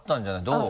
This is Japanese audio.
どう？